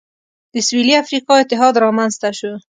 د سوېلي افریقا اتحاد رامنځته شو.